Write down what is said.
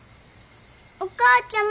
お母ちゃま！